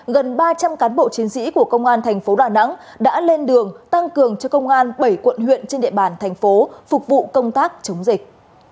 gần ba trăm linh cán bộ chiến sĩ của công an thành phố đà nẵng đã lên đường tăng cường cho công an bảy quận huyện trên địa bàn thành phố phục vụ công tác chống dịch